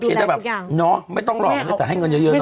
โอเคแต่แบบเนาะไม่ต้องหลอกแต่ให้เงินเยอะเนาะ